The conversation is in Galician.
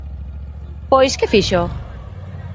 Pois ¿que fixo?